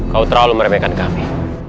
kau terlalu meremehkan kami